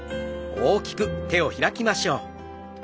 大きく手を開きましょう。